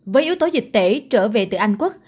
với yếu tố dịch tễ trở về từ anh quốc